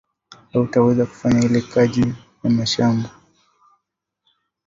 Autaweza kufanya ile kaji ya mashamba